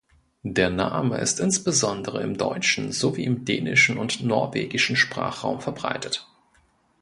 Der Name ist insbesondere im deutschen sowie im dänischen und norwegischen Sprachraum verbreitet.